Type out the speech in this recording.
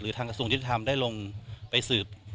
หรือทางกระทรวงจิตธรรมได้ลงไปสืบ